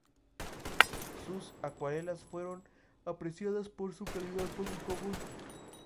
Sus acuarelas fueron apreciadas por su calidad poco común.